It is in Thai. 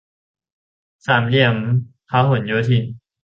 สามเหลี่ยมพหลโยธิน